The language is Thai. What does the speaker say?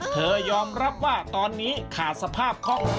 เธอยอมรับว่าตอนนี้ขาดสภาพเค้า